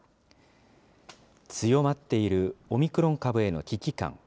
強まっているオミクロン株への危機感。